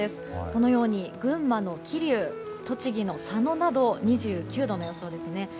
このように群馬の桐生栃木の佐野など２９度の予想ですね。